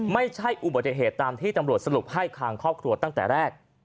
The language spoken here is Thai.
ไม่ใช่อุบัติเหตุตามที่ตำรวจสรุปให้ทางครอบครัวตั้งแต่แรก